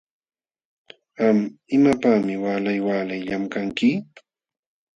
Qam ¿imapaqmi waalay waalay llamkanki?